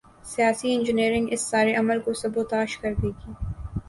'سیاسی انجینئرنگ‘ اس سارے عمل کو سبوتاژ کر دے گی۔